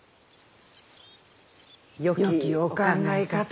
よきお考えかと。